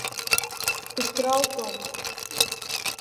Кычкырал тол!